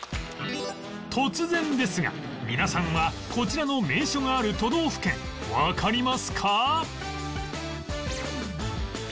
突然ですが皆さんはこちらの名所がある都道府県わかりますか？